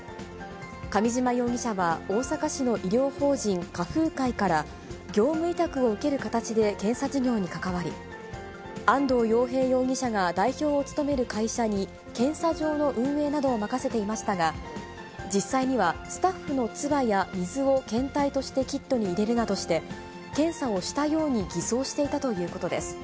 上嶋容疑者は大阪市の医療法人、華風会から、業務委託を受ける形で検査事業に関わり、安藤陽平容疑者が代表を務める会社に検査場の運営などを任せていましたが、実際にはスタッフのつばや水を検体としてキットに入れるなどして、検査をしたように偽装していたということです。